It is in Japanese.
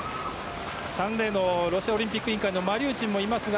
３レーンのロシアオリンピック委員会のマリューチンもいますが。